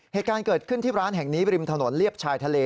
เหตุการณ์เกิดขึ้นที่ร้านแห่งนี้บริมถนนเลียบชายทะเล